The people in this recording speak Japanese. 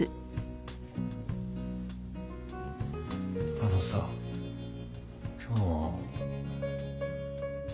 あのさ今日。